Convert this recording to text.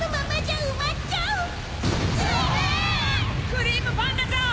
クリームパンダちゃん！